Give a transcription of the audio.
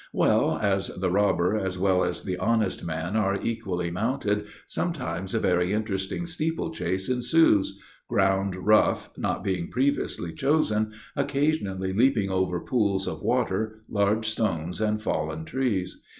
Well: as the robber as well as the honest man are equally mounted, sometimes a very interesting steeple chase ensues, ground rough, not being previously chosen, occasionally leaping over pools of water, large stones, and fallen trees.